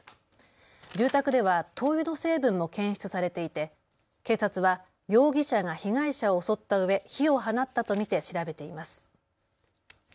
住宅では灯油の成分も検出されていて警察は容疑者が被害者を襲ったうえ火を放ったと見て調べています。